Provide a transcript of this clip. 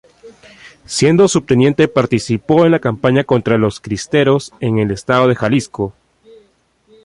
Siendo subteniente participó en la campaña contra los cristeros en el estado de Jalisco.